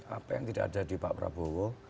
apa yang tidak ada di pak prabowo